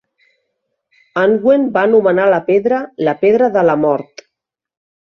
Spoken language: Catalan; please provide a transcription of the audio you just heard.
Anwen va anomenar la pedra "la pedra de la mort".